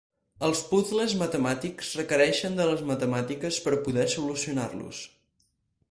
Els puzles matemàtics requereixen de les matemàtiques per poder solucionar-los.